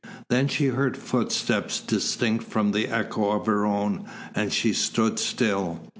Then she heard footsteps distinct from the echo of her own and she stood still.